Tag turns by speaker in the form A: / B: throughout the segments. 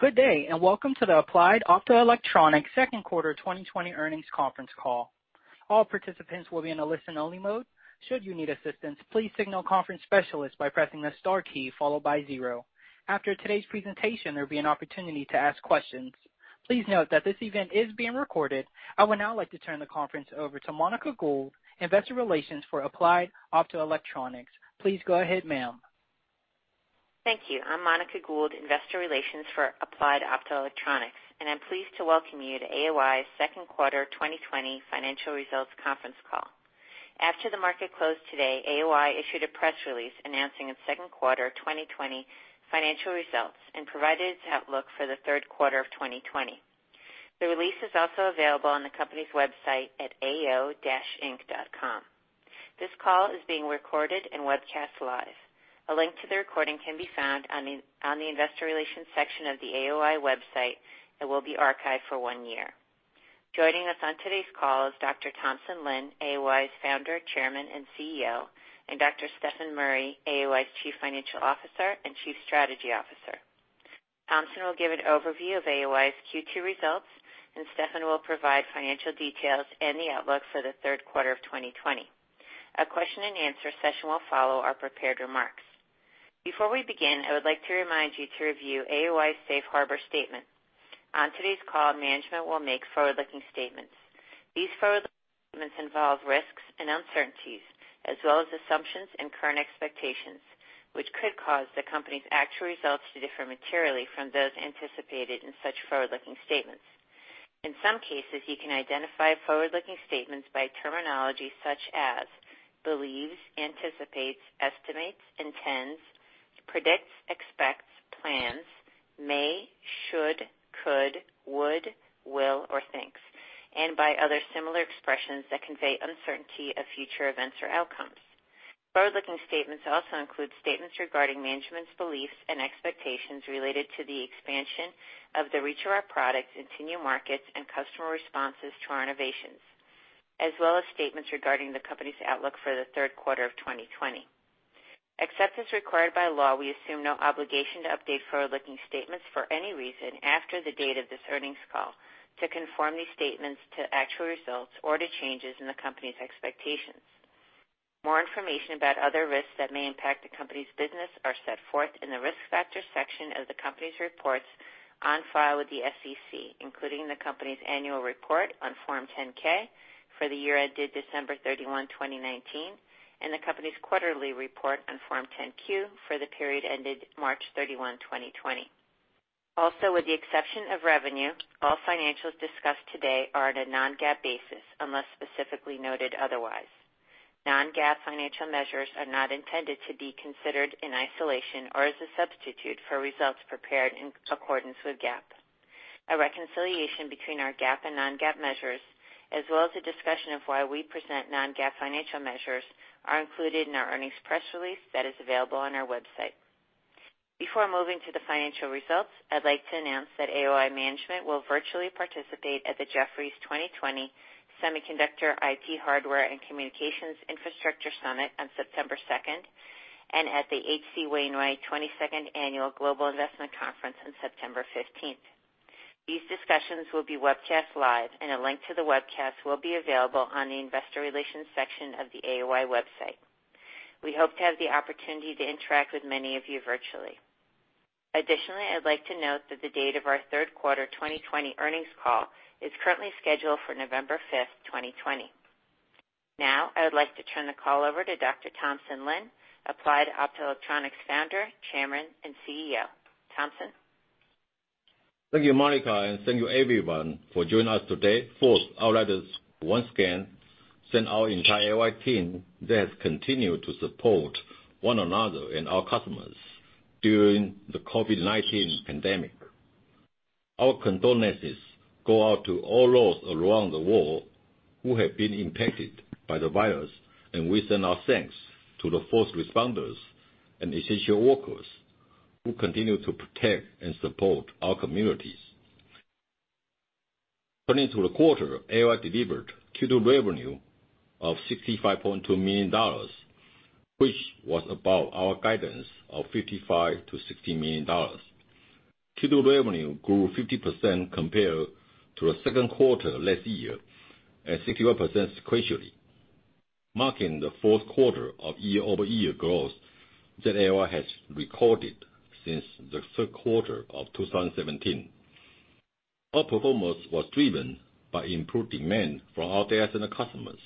A: Good day, and welcome to the Applied Optoelectronics second quarter 2020 earnings conference call. All participants will be in a listen-only mode. Should you need assistance, please signal conference specialist by pressing the star key followed by zero. After today's presentation, there will be an opportunity to ask questions. Please note that this event is being recorded. I would now like to turn the conference over to Monica Gould, Investor Relations for Applied Optoelectronics. Please go ahead, ma'am.
B: Thank you. I'm Monica Gould, Investor Relations for Applied Optoelectronics. I'm pleased to welcome you to AOI's second quarter 2020 financial results conference call. After the market closed today, AOI issued a press release announcing its second quarter 2020 financial results and provided its outlook for the third quarter of 2020. The release is also available on the company's website at ao-inc.com. This call is being recorded and webcast live. A link to the recording can be found on the investor relations section of the AOI website and will be archived for one year. Joining us on today's call is Dr. Thompson Lin, AOI's Founder, Chairman, and CEO, and Dr. Stefan Murry, AOI's Chief Financial Officer and Chief Strategy Officer. Thompson will give an overview of AOI's Q2 results. Stefan will provide financial details and the outlook for the third quarter of 2020. A question and answer session will follow our prepared remarks. Before we begin, I would like to remind you to review AOI's Safe Harbor statement. On today's call, management will make forward-looking statements. These forward-looking statements involve risks and uncertainties, as well as assumptions and current expectations, which could cause the company's actual results to differ materially from those anticipated in such forward-looking statements. In some cases, you can identify forward-looking statements by terminology such as believes, anticipates, estimates, intends, predicts, expects, plans, may, should, could, would, will, or thinks, and by other similar expressions that convey uncertainty of future events or outcomes. Forward-looking statements also include statements regarding management's beliefs and expectations related to the expansion of the reach of our products into new markets and customer responses to our innovations, as well as statements regarding the company's outlook for the third quarter of 2020. Except as required by law, we assume no obligation to update forward-looking statements for any reason after the date of this earnings call to conform these statements to actual results or to changes in the company's expectations. More information about other risks that may impact the company's business are set forth in the Risk Factors section of the company's reports on file with the SEC, including the company's annual report on Form 10-K for the year ended December 31, 2019, and the company's quarterly report on Form 10-Q for the period ended March 31, 2020. Also, with the exception of revenue, all financials discussed today are at a non-GAAP basis unless specifically noted otherwise. Non-GAAP financial measures are not intended to be considered in isolation or as a substitute for results prepared in accordance with GAAP. A reconciliation between our GAAP and non-GAAP measures, as well as a discussion of why we present non-GAAP financial measures, are included in our earnings press release that is available on our website. Before moving to the financial results, I'd like to announce that AOI management will virtually participate at the Jefferies 2020 Semiconductor, IT, Hardware and Communications Infrastructure Summit on September 2nd, and at the H.C. Wainwright 22nd Annual Global Investment Conference on September 15th. These discussions will be webcast live, and a link to the webcast will be available on the investor relations section of the AOI website. We hope to have the opportunity to interact with many of you virtually. Additionally, I'd like to note that the date of our third quarter 2020 earnings call is currently scheduled for November 5th, 2020. Now, I would like to turn the call over to Dr. Thompson Lin, Applied Optoelectronics Founder, Chairman, and CEO. Thompson?
C: Thank you, Monica, and thank you everyone for joining us today. First, I would like to once again thank our entire AOI team that has continued to support one another and our customers during the COVID-19 pandemic. Our condolences go out to all those around the world who have been impacted by the virus, and we send our thanks to the first responders and essential workers who continue to protect and support our communities. Turning to the quarter, AOI delivered Q2 revenue of $65.2 million, which was above our guidance of $55 million-$60 million. Q2 revenue grew 50% compared to the second quarter last year, and 61% sequentially, marking the fourth quarter of year-over-year growth that AOI has recorded since the third quarter of 2017. Our performance was driven by improved demand from our data center customers,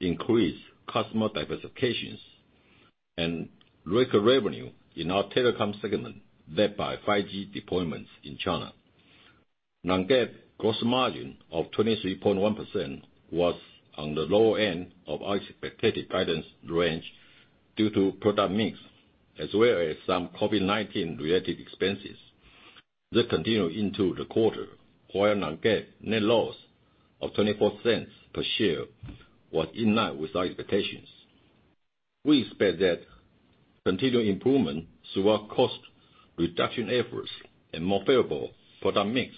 C: increased customer diversifications, and record revenue in our telecom segment, led by 5G deployments in China. Non-GAAP gross margin of 23.1% was on the lower end of our expected guidance range due to product mix, as well as some COVID-19 related expenses that continued into the quarter, while non-GAAP net loss of $0.24 per share was in line with our expectations. We expect that continued improvement through our cost reduction efforts and more favorable product mix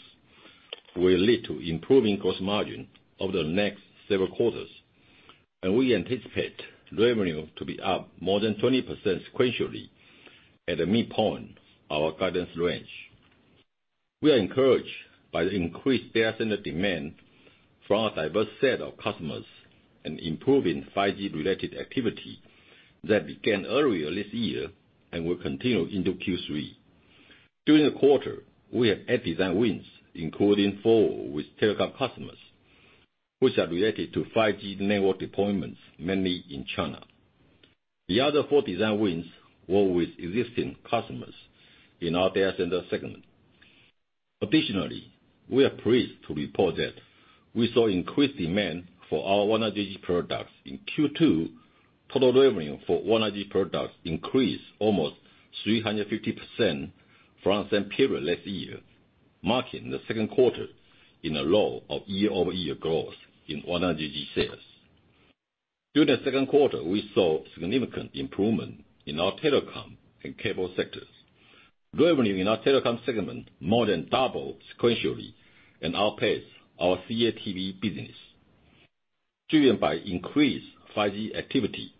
C: will lead to improving gross margin over the next several quarters. We anticipate revenue to be up more than 20% sequentially at the midpoint of our guidance range. We are encouraged by the increased data center demand from a diverse set of customers and improving 5G related activity that began earlier this year and will continue into Q3. During the quarter, we have had design wins, including four with telecom customers, which are related to 5G network deployments, mainly in China. The other four design wins were with existing customers in our data center segment. Additionally, we are pleased to report that we saw increased demand for our 100G products. In Q2, total revenue for 100G products increased almost 350% from the same period last year, marking the second quarter in a row of year-over-year growth in 100G sales. During the second quarter, we saw significant improvement in our telecom and cable sectors. Revenue in our telecom segment more than doubled sequentially and outpaced our CATV business. Driven by increased 5G activity,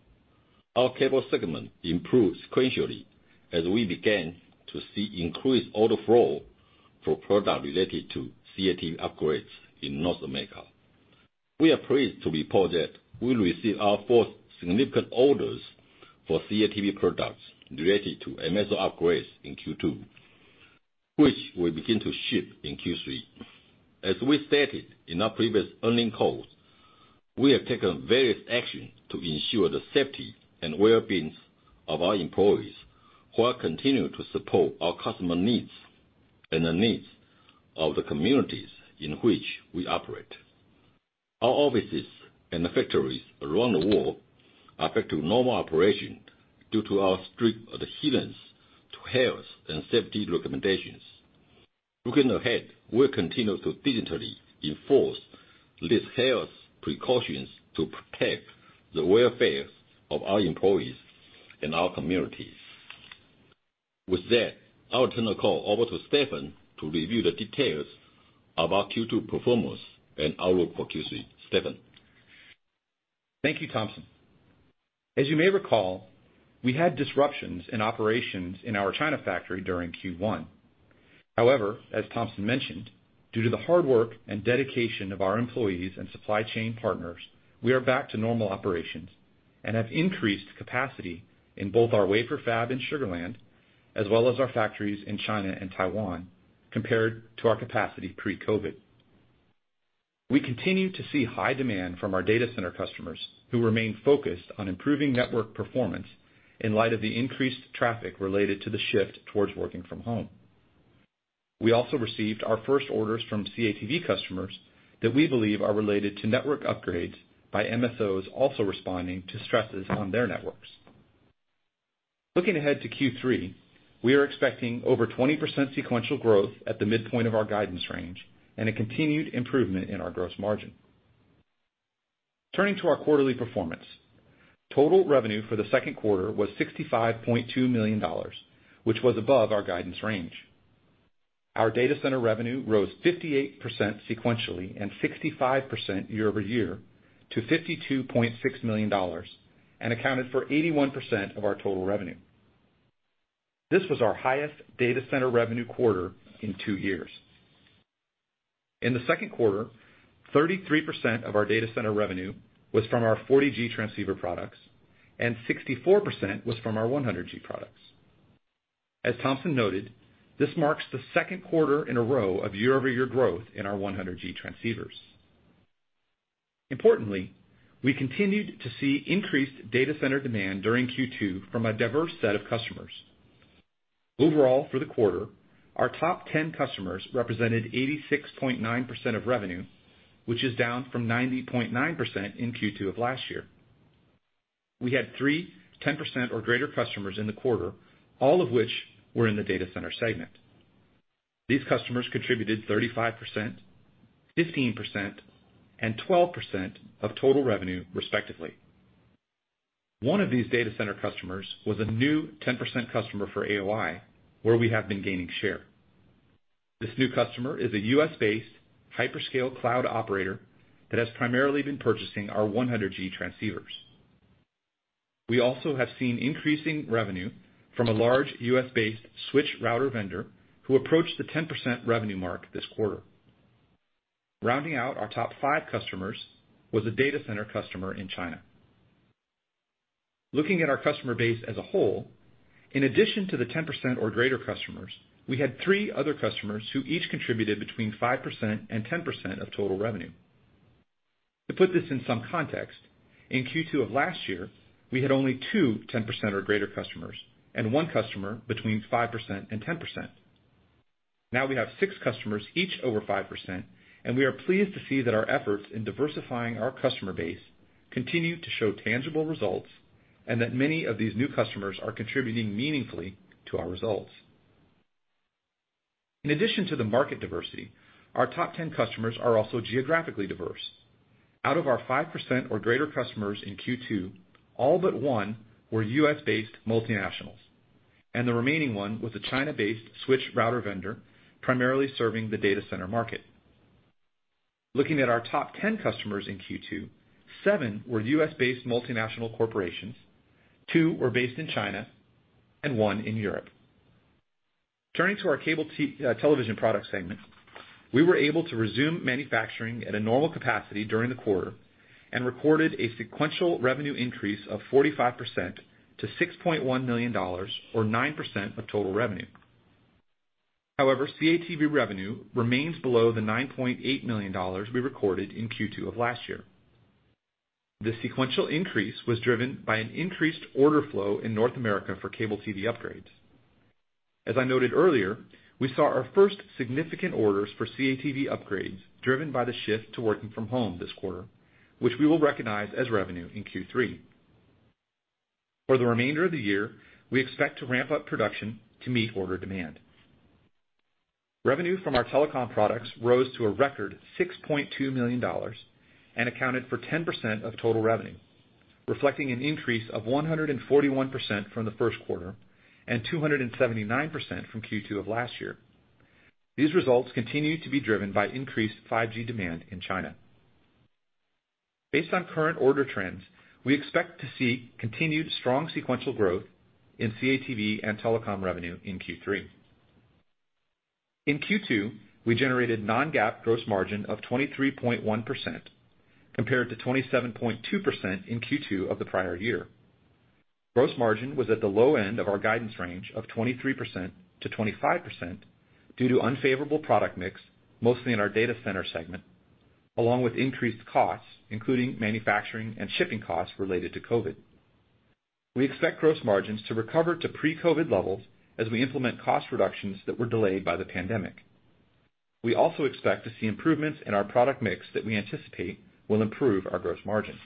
C: our cable segment improved sequentially as we began to see increased order flow for products related to CATV upgrades in North America. We are pleased to report that we received our fourth significant orders for CATV products related to MSO upgrades in Q2, which we'll begin to ship in Q3. As we stated in our previous earning calls, we have taken various action to ensure the safety and well-being of our employees, who are continuing to support our customer needs and the needs of the communities in which we operate. Our offices and factories around the world are back to normal operation due to our strict adherence to health and safety recommendations. Looking ahead, we'll continue to diligently enforce these health precautions to protect the welfare of our employees and our communities. With that, I'll turn the call over to Stefan to review the details of our Q2 performance and outlook for Q3. Stefan?
D: Thank you, Thompson. As you may recall, we had disruptions in operations in our China factory during Q1. As Thompson mentioned, due to the hard work and dedication of our employees and supply chain partners, we are back to normal operations and have increased capacity in both our wafer fab in Sugar Land as well as our factories in China and Taiwan compared to our capacity pre-COVID. We continue to see high demand from our data center customers who remain focused on improving network performance in light of the increased traffic related to the shift towards working from home. We also received our first orders from CATV customers that we believe are related to network upgrades by MSOs also responding to stresses on their networks. Looking ahead to Q3, we are expecting over 20% sequential growth at the midpoint of our guidance range and a continued improvement in our gross margin. Turning to our quarterly performance. Total revenue for the second quarter was $65.2 million, which was above our guidance range. Our data center revenue rose 58% sequentially and 65% year-over-year to $52.6 million, and accounted for 81% of our total revenue. This was our highest data center revenue quarter in two years. In the second quarter, 33% of our data center revenue was from our 40G transceiver products and 64% was from our 100G products. As Thompson noted, this marks the second quarter in a row of year-over-year growth in our 100G transceivers. Importantly, we continued to see increased data center demand during Q2 from a diverse set of customers. Overall, for the quarter, our top 10 customers represented 86.9% of revenue, which is down from 90.9% in Q2 of last year. We had three 10% or greater customers in the quarter, all of which were in the data center segment. These customers contributed 35%, 15% and 12% of total revenue respectively. One of these data center customers was a new 10% customer for AOI, where we have been gaining share. This new customer is a U.S.-based hyperscale cloud operator that has primarily been purchasing our 100G transceivers. We also have seen increasing revenue from a large U.S.-based switch router vendor who approached the 10% revenue mark this quarter. Rounding out our top five customers was a data center customer in China. Looking at our customer base as a whole, in addition to the 10% or greater customers, we had three other customers who each contributed between 5% and 10% of total revenue. To put this in some context, in Q2 of last year, we had only two 10% or greater customers and one customer between 5% and 10%. We have six customers each over 5%, and we are pleased to see that our efforts in diversifying our customer base continue to show tangible results and that many of these new customers are contributing meaningfully to our results. In addition to the market diversity, our top 10 customers are also geographically diverse. Out of our 5% or greater customers in Q2, all but one were U.S.-based multinationals, and the remaining one was a China-based switch router vendor primarily serving the data center market. Looking at our top 10 customers in Q2, seven were U.S.-based multinational corporations, two were based in China, and one in Europe. Turning to our cable television product segment, we were able to resume manufacturing at a normal capacity during the quarter and recorded a sequential revenue increase of 45% to $6.1 million, or 9% of total revenue. However, CATV revenue remains below the $9.8 million we recorded in Q2 of last year. The sequential increase was driven by an increased order flow in North America for cable TV upgrades. As I noted earlier, we saw our first significant orders for CATV upgrades driven by the shift to working from home this quarter, which we will recognize as revenue in Q3. For the remainder of the year, we expect to ramp up production to meet order demand. Revenue from our telecom products rose to a record $6.2 million and accounted for 10% of total revenue, reflecting an increase of 141% from the first quarter and 279% from Q2 of last year. These results continue to be driven by increased 5G demand in China. Based on current order trends, we expect to see continued strong sequential growth in CATV and telecom revenue in Q3. In Q2, we generated non-GAAP gross margin of 23.1% compared to 27.2% in Q2 of the prior year. Gross margin was at the low end of our guidance range of 23%-25% due to unfavorable product mix, mostly in our data center segment, along with increased costs, including manufacturing and shipping costs related to COVID. We expect gross margins to recover to pre-COVID levels as we implement cost reductions that were delayed by the pandemic. We also expect to see improvements in our product mix that we anticipate will improve our gross margins.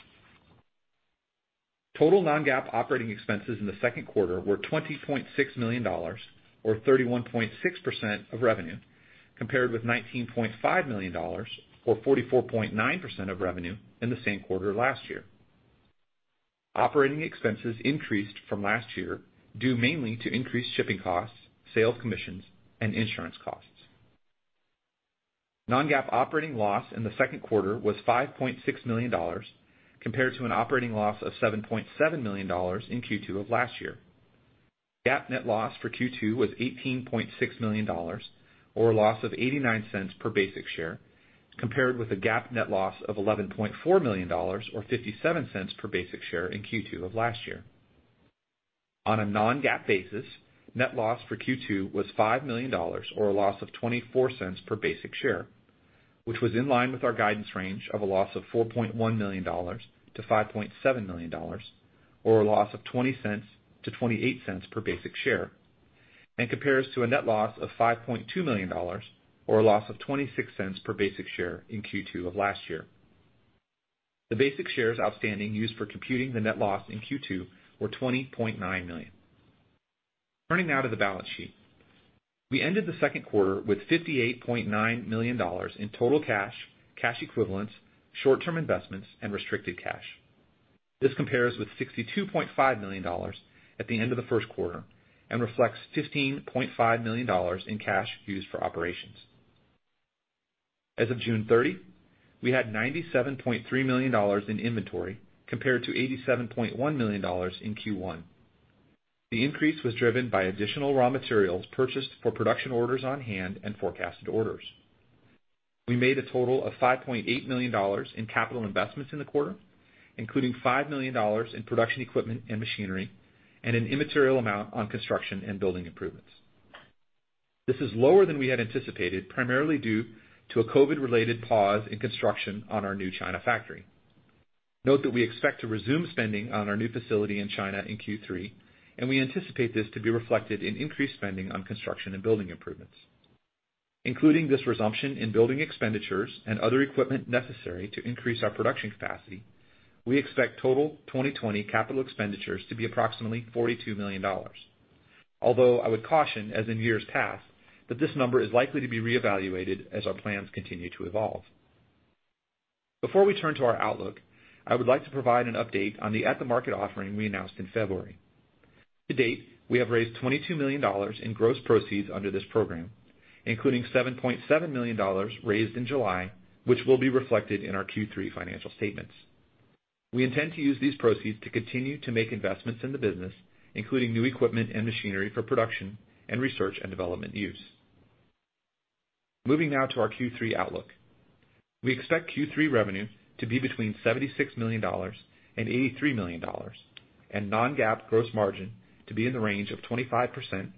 D: Total non-GAAP operating expenses in the second quarter were $20.6 million, or 31.6% of revenue, compared with $19.5 million, or 44.9% of revenue in the same quarter last year. Operating expenses increased from last year due mainly to increased shipping costs, sales commissions, and insurance costs. Non-GAAP operating loss in the second quarter was $5.6 million, compared to an operating loss of $7.7 million in Q2 of last year. GAAP net loss for Q2 was $18.6 million, or a loss of $0.89 per basic share, compared with a GAAP net loss of $11.4 million, or $0.57 per basic share in Q2 of last year. On a non-GAAP basis, net loss for Q2 was $5 million, or a loss of $0.24 per basic share, which was in line with our guidance range of a loss of $4.1 million-$5.7 million, or a loss of $0.20-$0.28 per basic share, and compares to a net loss of $5.2 million, or a loss of $0.26 per basic share in Q2 of last year. The basic shares outstanding used for computing the net loss in Q2 were $20.9 million. Turning now to the balance sheet. We ended the second quarter with $58.9 million in total cash equivalents, short-term investments, and restricted cash. This compares with $62.5 million at the end of the first quarter and reflects $15.5 million in cash used for operations. As of June 30, we had $97.3 million in inventory, compared to $87.1 million in Q1. The increase was driven by additional raw materials purchased for production orders on hand and forecasted orders. We made a total of $5.8 million in capital investments in the quarter, including $5 million in production equipment and machinery, and an immaterial amount on construction and building improvements. This is lower than we had anticipated, primarily due to a COVID-19-related pause in construction on our new China factory. Note that we expect to resume spending on our new facility in China in Q3, and we anticipate this to be reflected in increased spending on construction and building improvements. Including this resumption in building expenditures and other equipment necessary to increase our production capacity, we expect total 2020 capital expenditures to be approximately $42 million. Although I would caution, as in years past, that this number is likely to be reevaluated as our plans continue to evolve. Before we turn to our outlook, I would like to provide an update on the at-the-market offering we announced in February. To date, we have raised $22 million in gross proceeds under this program, including $7.7 million raised in July, which will be reflected in our Q3 financial statements. We intend to use these proceeds to continue to make investments in the business, including new equipment and machinery for production and research and development use. Moving now to our Q3 outlook. We expect Q3 revenue to be between $76 million and $83 million, and non-GAAP gross margin to be in the range of 25%-26.5%.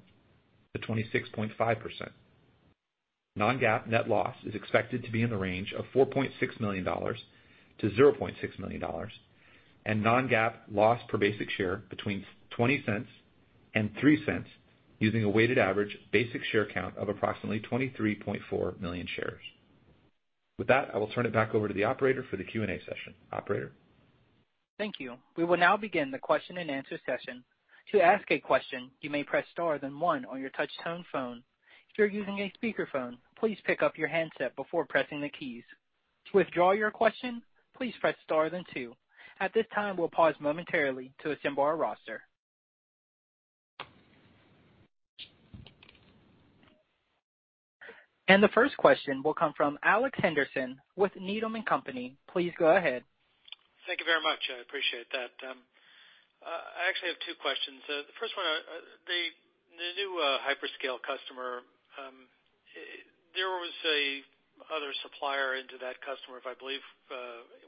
D: Non-GAAP net loss is expected to be in the range of $4.6 million-$0.6 million, and non-GAAP loss per basic share between $0.20 and $0.03, using a weighted average basic share count of approximately 23.4 million shares. With that, I will turn it back over to the operator for the Q&A session. Operator?
A: Thank you. We will now begin the question and answer session. The first question will come from Alex Henderson with Needham & Company. Please go ahead.
E: Thank you very much. I appreciate that. I actually have two questions. The first one, the new hyperscale customer, there was a other supplier into that customer, if I believe,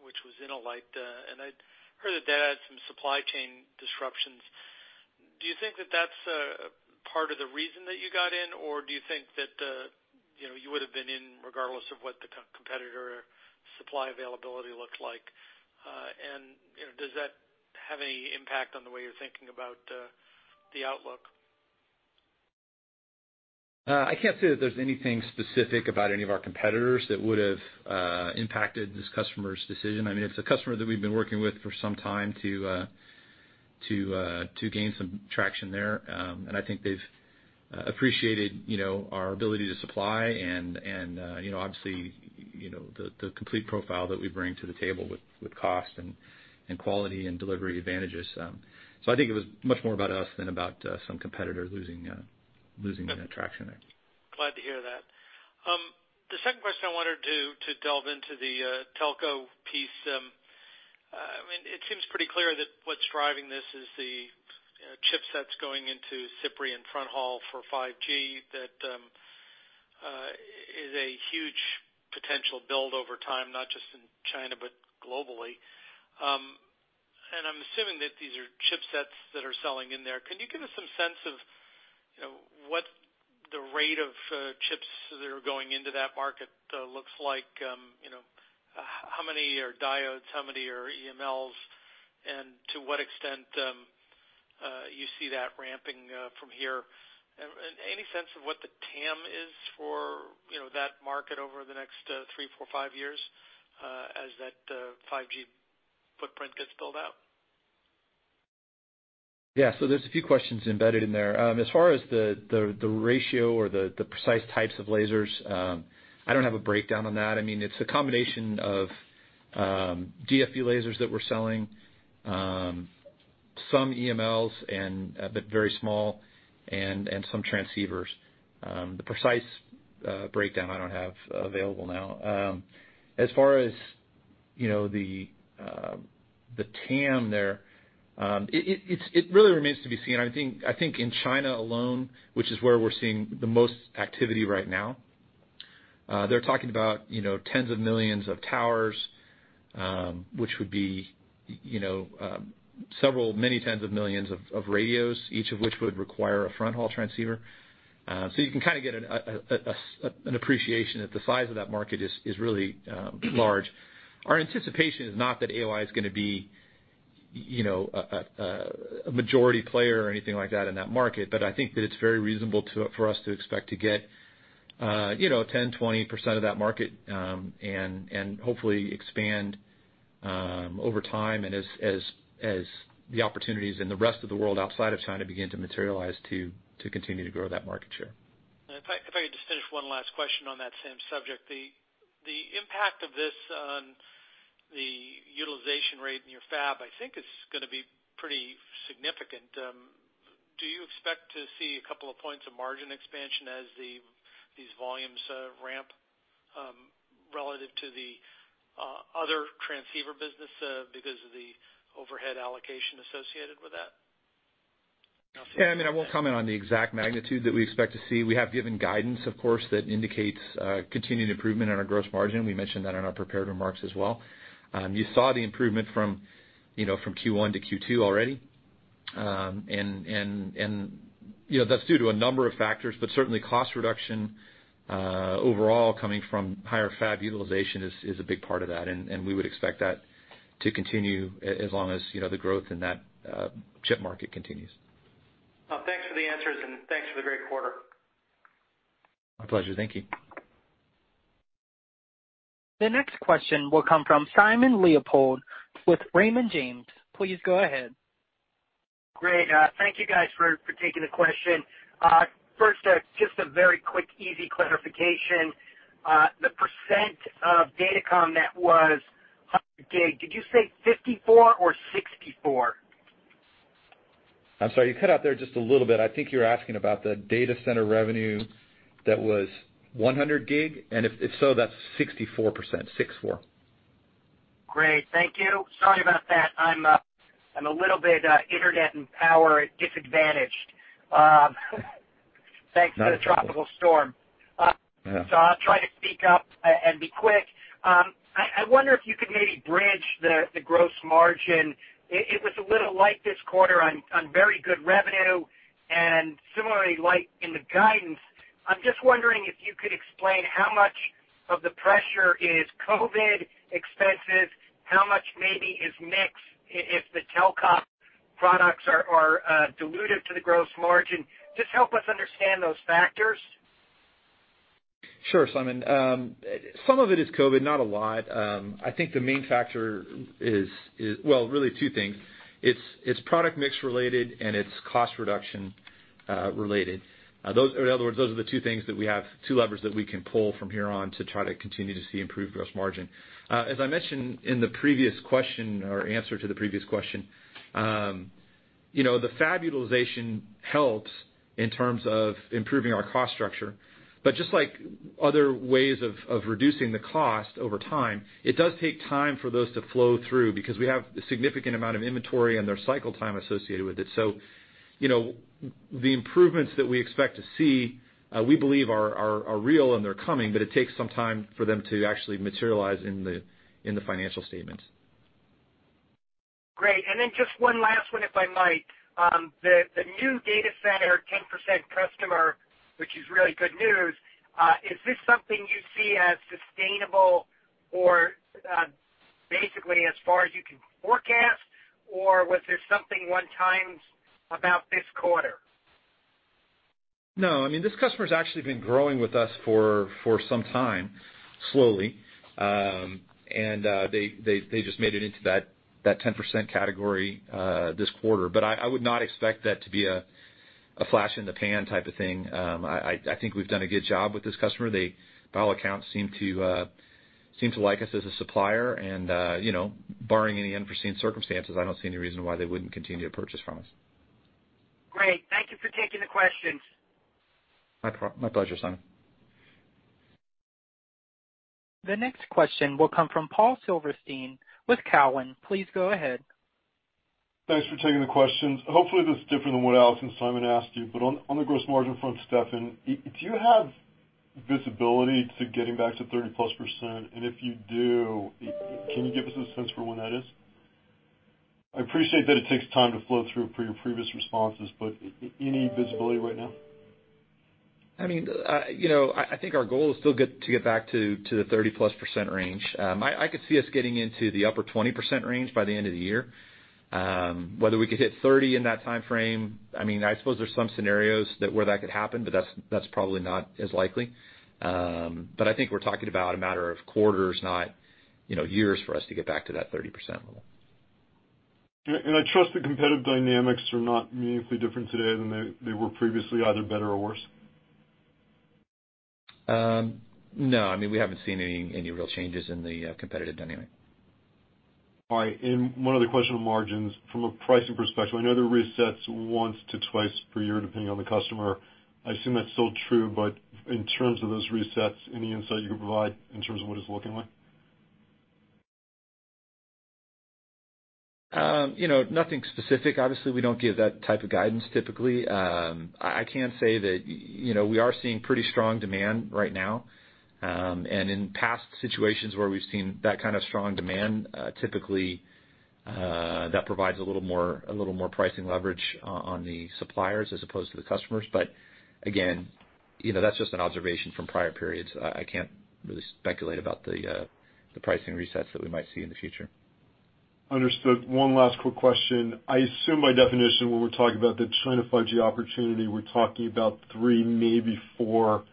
E: which was InnoLight. I'd heard that had some supply chain disruptions. Do you think that that's part of the reason that you got in? Do you think that you would have been in regardless of what the competitor supply availability looked like? Does that have any impact on the way you're thinking about the outlook?
D: I can't say that there's anything specific about any of our competitors that would have impacted this customer's decision. It's a customer that we've been working with for some time to gain some traction there. I think they've appreciated our ability to supply and obviously, the complete profile that we bring to the table with cost and quality and delivery advantages. I think it was much more about us than about some competitor losing that traction there.
E: Glad to hear that. The second question I wanted to delve into the telco piece. It seems pretty clear that what's driving this is the chipsets going into CPRI and fronthaul for 5G. That is a huge potential build over time, not just in China but globally. I'm assuming that these are chipsets that are selling in there. Can you give us some sense of what the rate of chips that are going into that market looks like? How many are diodes, how many are EMLs, to what extent you see that ramping from here? Any sense of what the TAM is for that market over the next three, four, five years as that 5G footprint gets built out?
D: Yeah. There's a few questions embedded in there. As far as the ratio or the precise types of lasers, I don't have a breakdown on that. It's a combination of DFB lasers that we're selling. Some EMLs, but very small, and some transceivers. The precise breakdown I don't have available now. As far as the TAM there, it really remains to be seen. I think in China alone, which is where we're seeing the most activity right now, they're talking about tens of millions of towers, which would be many tens of millions of radios, each of which would require a fronthaul transceiver. You can get an appreciation that the size of that market is really large. Our anticipation is not that AOI is going to be a majority player or anything like that in that market, but I think that it's very reasonable for us to expect to get 10%, 20% of that market, and hopefully expand over time and as the opportunities in the rest of the world outside of China begin to materialize to continue to grow that market share.
E: If I could just finish one last question on that same subject. The impact of this on the utilization rate in your fab, I think is going to be pretty significant. Do you expect to see a couple of points of margin expansion as these volumes ramp relative to the other transceiver business because of the overhead allocation associated with that?
D: Yeah. I won't comment on the exact magnitude that we expect to see. We have given guidance, of course, that indicates continued improvement on our gross margin. We mentioned that in our prepared remarks as well. You saw the improvement from Q1 to Q2 already. That's due to a number of factors, but certainly cost reduction overall coming from higher fab utilization is a big part of that, and we would expect that to continue as long as the growth in that chip market continues.
E: Thanks for the answers and thanks for the great quarter.
D: My pleasure. Thank you.
A: The next question will come from Simon Leopold with Raymond James. Please go ahead.
F: Great. Thank you guys for taking the question. First, just a very quick, easy clarification. The percentage of Datacom that was, did you say 54 or 64?
D: I'm sorry, you cut out there just a little bit. I think you're asking about the data center revenue that was 100G, and if so, that's 64%. Six four.
F: Great. Thank you. Sorry about that. I'm a little bit internet and power disadvantaged.
D: No
F: Thanks to the tropical storm.
D: Yeah.
F: I'll try to speak up and be quick. I wonder if you could maybe bridge the gross margin. It was a little light this quarter on very good revenue and similarly light in the guidance. I'm just wondering if you could explain how much of the pressure is COVID-19 expenses, how much maybe is mix, if the telco products are dilutive to the gross margin. Just help us understand those factors.
D: Sure, Simon. Some of it is COVID, not a lot. I think the main factor is, well, really two things. It's product-mix related, and it's cost reduction related. In other words, those are the two levers that we can pull from here on to try to continue to see improved gross margin. As I mentioned in the previous question, or answer to the previous question, the fab utilization helps in terms of improving our cost structure. Just like other ways of reducing the cost over time, it does take time for those to flow through, because we have a significant amount of inventory, and there's cycle time associated with it. The improvements that we expect to see, we believe are real, and they're coming, but it takes some time for them to actually materialize in the financial statements.
F: Great. Just one last one, if I might. The new data center, 10% customer, which is really good news, is this something you see as sustainable or basically, as far as you can forecast, or was there something one-time about this quarter?
D: No. This customer's actually been growing with us for some time, slowly. They just made it into that 10% category, this quarter. I would not expect that to be a flash in the pan type of thing. I think we've done a good job with this customer. They, by all accounts, seem to like us as a supplier and barring any unforeseen circumstances, I don't see any reason why they wouldn't continue to purchase from us.
F: Great. Thank you for taking the questions.
D: My pleasure, Simon.
A: The next question will come from Paul Silverstein with Cowen. Please go ahead.
G: Thanks for taking the questions. Hopefully, this is different than what Alex and Simon asked you. On the gross margin front, Stefan, do you have visibility to getting back to 30%+? If you do, can you give us a sense for when that is? I appreciate that it takes time to flow through per your previous responses, but any visibility right now?
D: I think our goal is still to get back to the 30%+ range. I could see us getting into the upper 20% range by the end of the year. Whether we could hit 30% in that timeframe, I suppose there's some scenarios where that could happen, that's probably not as likely. I think we're talking about a matter of quarters, not years for us to get back to that 30% level.
G: I trust the competitive dynamics are not meaningfully different today than they were previously, either better or worse?
D: No. We haven't seen any real changes in the competitive dynamic.
G: All right. One other question on margins. From a pricing perspective, I know there are resets one to two per year, depending on the customer. I assume that's still true, but in terms of those resets, any insight you can provide in terms of what it's looking like?
D: Nothing specific. Obviously, we don't give that type of guidance, typically. I can say that we are seeing pretty strong demand right now. In past situations where we've seen that kind of strong demand, typically, that provides a little more pricing leverage on the suppliers as opposed to the customers. Again, that's just an observation from prior periods. I can't really speculate about the pricing resets that we might see in the future.
G: Understood. One last quick question. I assume, by definition, when we're talking about the China 5G opportunity, we're talking about three, maybe four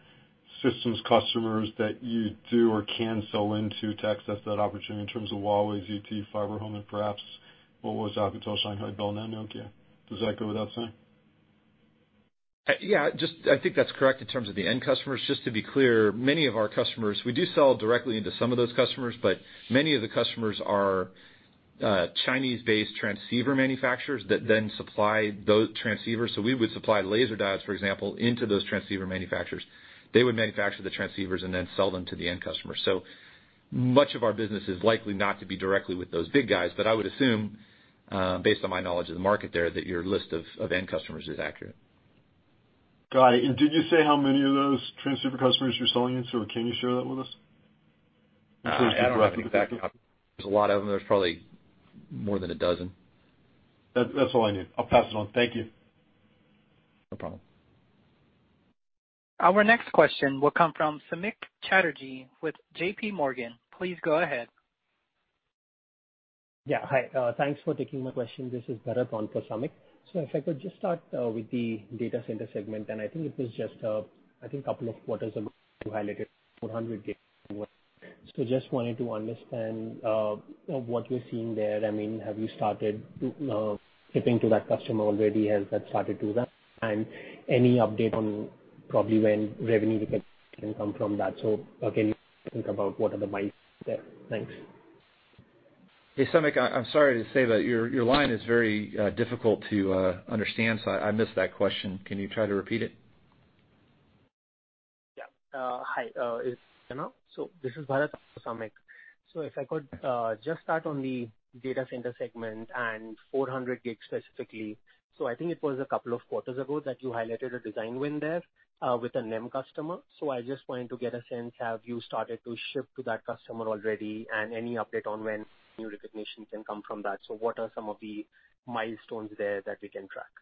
G: systems customers that you do or can sell into to access that opportunity in terms of Huawei, ZTE, FiberHome, and perhaps what was Alcatel, Shanghai Bell, now Nokia. Does that go without saying?
D: Yeah. I think that's correct in terms of the end customers. Just to be clear, we do sell directly into some of those customers, but many of the customers are Chinese-based transceiver manufacturers that then supply those transceivers. We would supply laser diodes, for example, into those transceiver manufacturers. They would manufacture the transceivers and then sell them to the end customer. Much of our business is likely not to be directly with those big guys, but I would assume, based on my knowledge of the market there, that your list of end customers is accurate.
G: Got it. Did you say how many of those transceiver customers you're selling into, or can you share that with us?
D: I don't have an exact number. There's a lot of them. There's probably more than a dozen.
G: That's all I need. I'll pass it on. Thank you.
D: No problem.
A: Our next question will come from Samik Chatterjee with JPMorgan. Please go ahead.
H: Yeah. Hi. Thanks for taking my question. This is Bharat on for Samik. If I could just start with the data center segment, and I think it was just a couple of quarters ago you highlighted 400G. Just wanted to understand what you're seeing there. Have you started shipping to that customer already? Has that started to ramp? Any update on probably when revenue recognition can come from that? Again, think about what are the milestones there. Thanks.
D: Hey, Samik. I'm sorry to say that your line is very difficult to understand, so I missed that question. Can you try to repeat it?
H: Hi. Is this better now? This is Bharat for Samik. If I could just start on the data center segment and 400G specifically. I think it was a couple of quarters ago that you highlighted a design win there with a OEM customer. I just wanted to get a sense, have you started to ship to that customer already? Any update on when new recognition can come from that? What are some of the milestones there that we can track?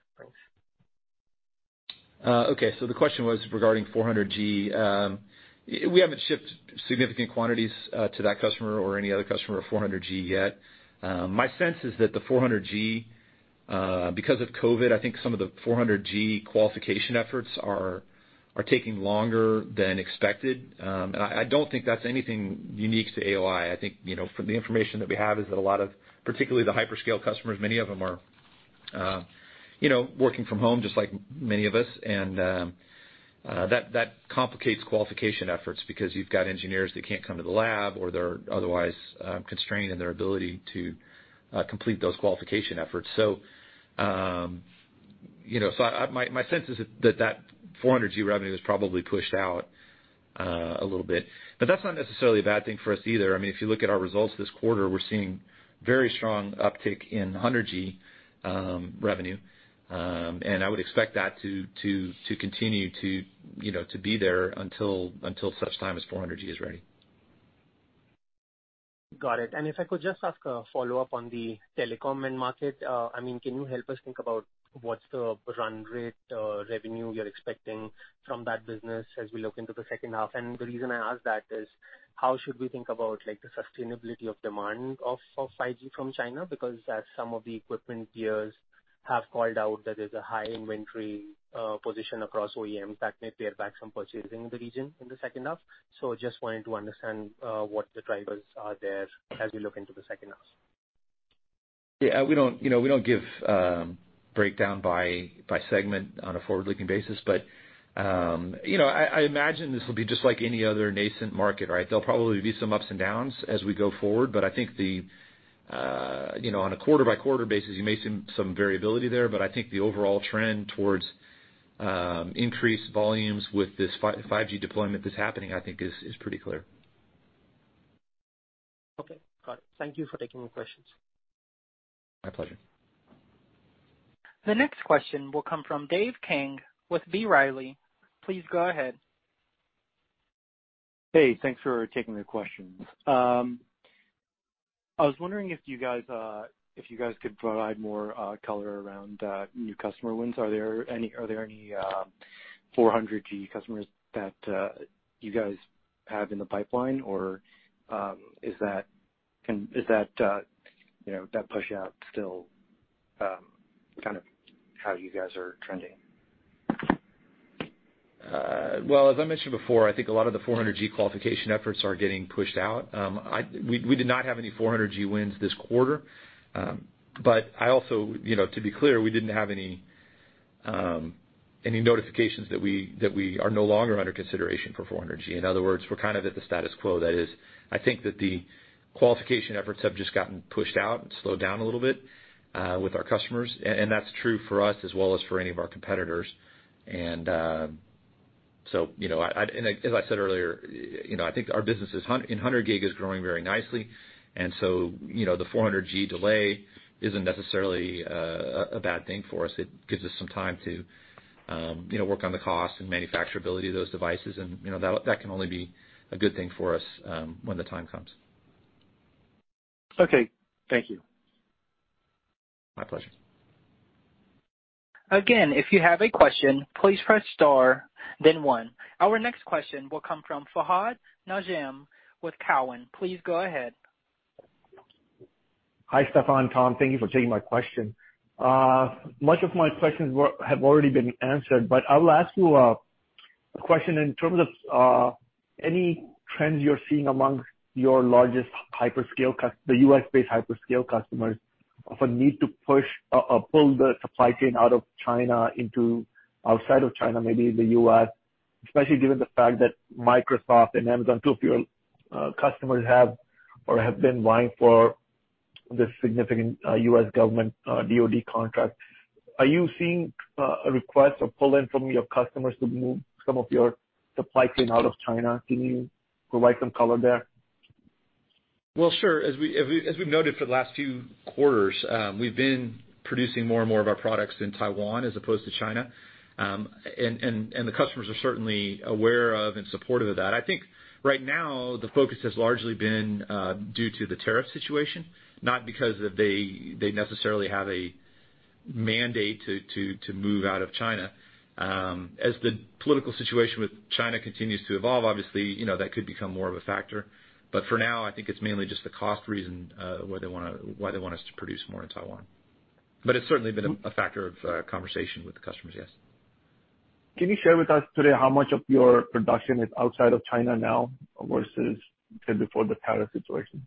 H: Thanks.
D: The question was regarding 400G. We haven't shipped significant quantities to that customer or any other customer of 400G yet. My sense is that because of COVID-19, I think some of the 400G qualification efforts are taking longer than expected. I don't think that's anything unique to AOI. From the information that we have, a lot of, particularly the hyperscale customers, many of them are working from home, just like many of us. That complicates qualification efforts because you've got engineers that can't come to the lab or they're otherwise constrained in their ability to complete those qualification efforts. My sense is that 400G revenue is probably pushed out a little bit. That's not necessarily a bad thing for us either. If you look at our results this quarter, we're seeing very strong uptick in 100G revenue. I would expect that to continue to be there until such time as 400G is ready.
H: Got it. If I could just ask a follow-up on the telecom end market. Can you help us think about what's the run rate revenue you're expecting from that business as we look into the second half? The reason I ask that is how should we think about the sustainability of demand of 5G from China? Because as some of the equipment tiers have called out, there is a high inventory position across OEMs that may pare back some purchasing in the region in the second half. Just wanting to understand what the drivers are there as we look into the second half.
D: Yeah. We don't give breakdown by segment on a forward-looking basis. I imagine this will be just like any other nascent market, right? There'll probably be some ups and downs as we go forward, but I think on a quarter-by-quarter basis, you may see some variability there. I think the overall trend towards increased volumes with this 5G deployment that's happening, I think is pretty clear.
H: Okay, got it. Thank you for taking the questions.
D: My pleasure.
A: The next question will come from Dave Kang with B. Riley. Please go ahead.
I: Hey, thanks for taking the questions. I was wondering if you guys could provide more color around new customer wins. Are there any 400G customers that you guys have in the pipeline, or is that push out still how you guys are trending?
D: Well, as I mentioned before, I think a lot of the 400G qualification efforts are getting pushed out. We did not have any 400G wins this quarter. To be clear, we didn't have any notifications that we are no longer under consideration for 400G. In other words, we're at the status quo. That is, I think that the qualification efforts have just gotten pushed out and slowed down a little bit with our customers, and that's true for us as well as for any of our competitors. As I said earlier, I think our business in 100G is growing very nicely, the 400G delay isn't necessarily a bad thing for us. It gives us some time to work on the cost and manufacturability of those devices, that can only be a good thing for us when the time comes.
I: Okay. Thank you.
D: My pleasure.
A: Again, if you have a question, please press star, then one. Our next question will come from Fahad Najam with Cowen. Please go ahead.
J: Hi, Stefan, Thompson. Thank you for taking my question. Much of my questions have already been answered, I will ask you a question in terms of any trends you're seeing amongst the U.S.-based hyperscale customers of a need to pull the supply chain out of China into outside of China, maybe the U.S. Especially given the fact that Microsoft and Amazon, two of your customers, have or have been vying for the significant U.S. government DoD contract. Are you seeing a request or pull in from your customers to move some of your supply chain out of China? Can you provide some color there?
D: Well, sure. As we've noted for the last few quarters, we've been producing more and more of our products in Taiwan as opposed to China. The customers are certainly aware of and supportive of that. I think right now the focus has largely been due to the tariff situation, not because they necessarily have a mandate to move out of China. As the political situation with China continues to evolve, obviously, that could become more of a factor. For now, I think it's mainly just the cost reason why they want us to produce more in Taiwan. It's certainly been a factor of conversation with the customers, yes
J: Can you share with us today how much of your production is outside of China now versus say before the tariff situation?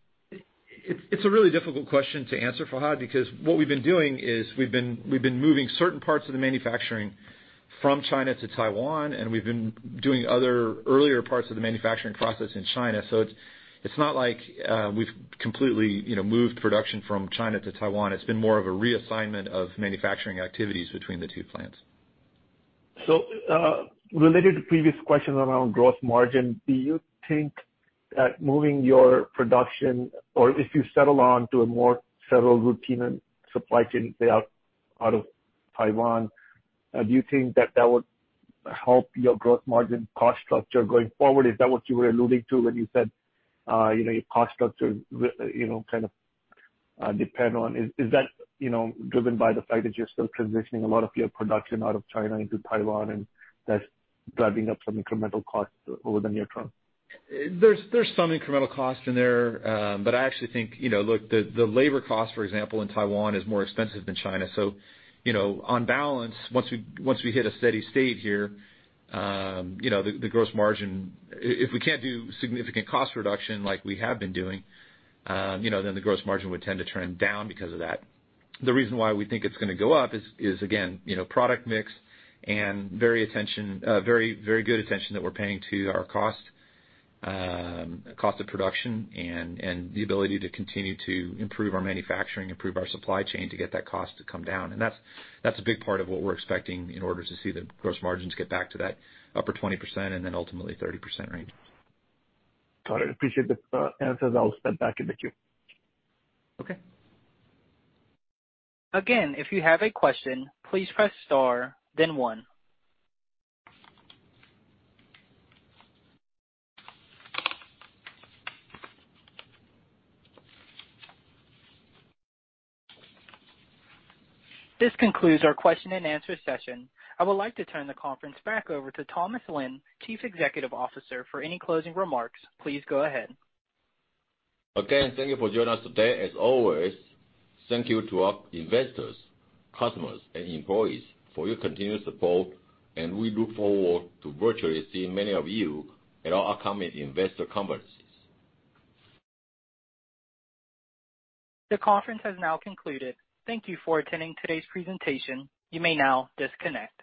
D: It's a really difficult question to answer, Fahad, because what we've been doing is we've been moving certain parts of the manufacturing from China to Taiwan, and we've been doing other earlier parts of the manufacturing process in China. It's not like we've completely moved production from China to Taiwan. It's been more of a reassignment of manufacturing activities between the two plants.
J: Related to previous question around gross margin, do you think that moving your production, or if you settle on to a more settled routine and supply chain layout out of Taiwan, do you think that that would help your gross margin cost structure going forward? Is that what you were alluding to when you said your cost structure? Is that driven by the fact that you're still transitioning a lot of your production out of China into Taiwan and that's driving up some incremental costs over the near term?
D: There's some incremental cost in there. I actually think the labor cost, for example, in Taiwan is more expensive than China. On balance, once we hit a steady state here, the gross margin, if we can't do significant cost reduction like we have been doing, then the gross margin would tend to trend down because of that. The reason why we think it's going to go up is, again, product mix and very good attention that we're paying to our cost of production and the ability to continue to improve our manufacturing, improve our supply chain to get that cost to come down. That's a big part of what we're expecting in order to see the gross margins get back to that upper 20% and then ultimately 30% range.
J: Got it. Appreciate the answers. I'll step back in the queue.
D: Okay.
A: Again, if you have a question, please press star, then one. This concludes our question-and-answer session. I would like to turn the conference back over to Thompson Lin, Chief Executive Officer, for any closing remarks. Please go ahead.
C: Again, thank you for joining us today. As always, thank you to our investors, customers, and employees for your continued support. We look forward to virtually seeing many of you at our upcoming investor conferences.
A: The conference has now concluded. Thank you for attending today's presentation. You may now disconnect.